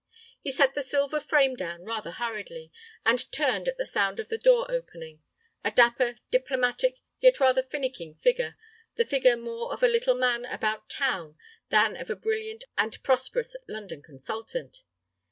He set the silver frame down rather hurriedly, and turned at the sound of the door opening, a dapper, diplomatic, yet rather finicking figure, the figure more of a little man about town than of a brilliant and prosperous London consultant.